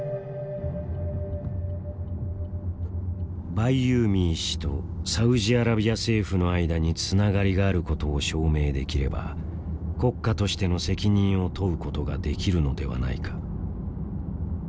バイユーミー氏とサウジアラビア政府の間につながりがあることを証明できれば国家としての責任を問うことができるのではないか。